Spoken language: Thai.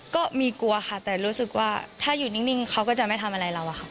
ก็มีกลัวค่ะแต่รู้สึกว่าถ้าอยู่นิ่งเขาก็จะไม่ทำอะไรเราอะค่ะ